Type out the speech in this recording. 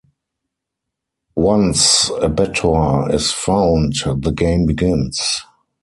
Once a bettor is found, the game begins.